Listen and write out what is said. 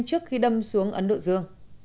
trước khi đâm xuống ấn độ